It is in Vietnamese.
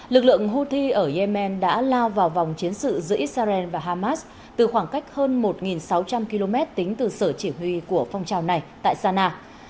lực lượng houthi ở yemen đã lao vào vòng chiến sự giữa israel và hamas từ khoảng cách hơn một sáu trăm linh km tính từ sở chỉ huy của phong trào này tại sana